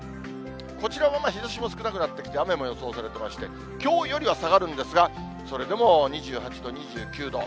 こちらも日ざしも少なくなってきて、雨も予想されていまして、きょうよりは下がるんですが、それでも２８度、２９度。